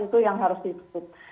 itu yang harus ditutup